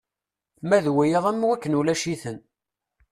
Ma d wiyaḍ am wakken ulac-iten.